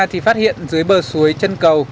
thì phát hiện dưới bờ suối chân cầu